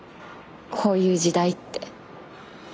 こういう時代って。